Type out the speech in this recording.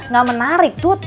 gak menarik tut